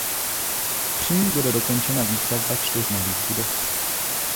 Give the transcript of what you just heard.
Při ní bude dokončena výstavba čtyř nových budov.